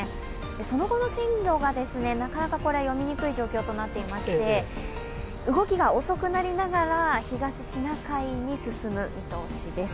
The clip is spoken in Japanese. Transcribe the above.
その後の進路がなかなか読みにくい状況となっていまして動きが遅くなりながら、東シナ海に進む見通しです。